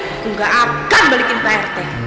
aku gak akan balikin pak rt